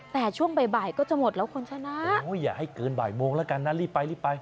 แต่ช่วงบ่ายก็จะหมดแล้วคุณชนะอย่าให้เกินบ่ายโมงแล้วกันนะรีบไปรีบไป